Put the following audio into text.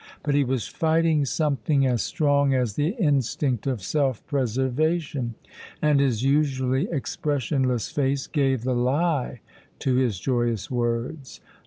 But he was fighting something as strong as the instinct of self preservation, and his usually expressionless face gave the lie to his joyous words.